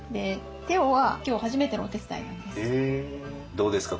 どうですか？